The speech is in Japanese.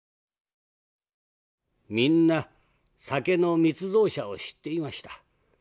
「みんな酒の密造者を知っていました。